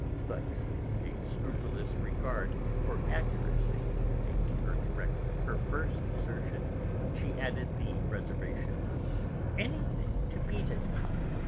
But a scrupulous regard for accuracy making her correct her first assertion, she added the reservation: "anything to beat it...